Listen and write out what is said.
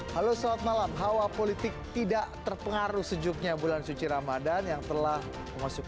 halo selamat malam hawa politik tidak terpengaruh sejuknya bulan suci ramadan yang telah memasuki